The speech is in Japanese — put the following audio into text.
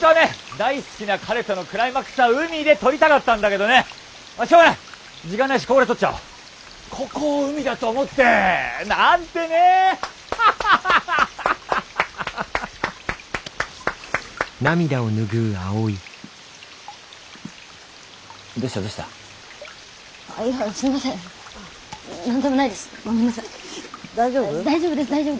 大丈夫？